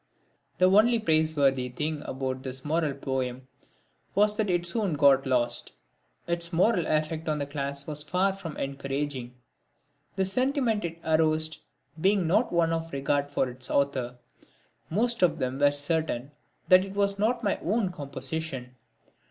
The only praiseworthy thing about this moral poem was that it soon got lost. Its moral effect on that class was far from encouraging the sentiment it aroused being not one of regard for its author. Most of them were certain that it was not my own composition.